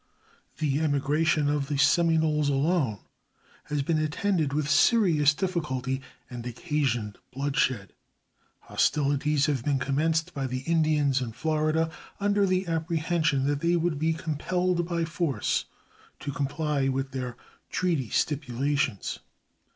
The emigration of the Seminoles alone has been attended with serious difficulty and occasioned bloodshed, hostilities having been commenced by the Indians in Florida under the apprehension that they would be compelled by force to comply with their treaty stipulations.